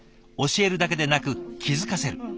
教えるだけでなく気付かせる。